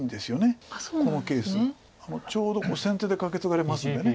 ちょうど先手でカケツガれますんで。